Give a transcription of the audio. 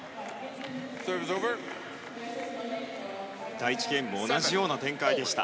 第１ゲームも同じような展開でした。